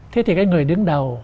thế thì cái người đứng đầu